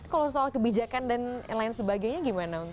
kalau soal kebijakan dan lain sebagainya gimana